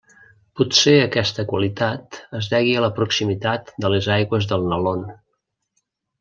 Potser aquesta qualitat es degui a la proximitat de les aigües del Nalón.